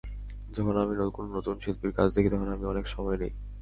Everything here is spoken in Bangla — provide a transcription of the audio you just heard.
যখন আমি কোনো নতুন শিল্পীর কাজ দেখি, তখন আমি অনেক সময় নিই।